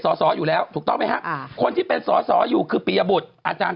สอสออยู่แล้วถูกต้องไหมฮะคนที่เป็นสอสออยู่คือปียบุตรอาจารย์